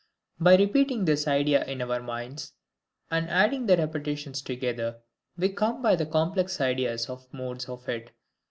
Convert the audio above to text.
By repeating this idea in our minds, and adding the repetitions together, we come by the COMPLEX ideas of the MODES of it.